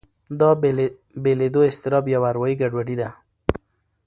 دا بېلېدو اضطراب یوه اروایي ګډوډي ده.